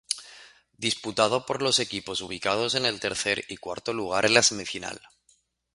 Disputado por los equipos ubicados en el tercer y cuarto lugar en la semifinal.